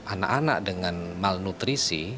anak anak dengan malnutrisi